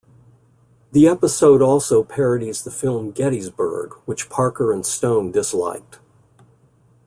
The episode also parodies the film "Gettysburg" which Parker and Stone disliked.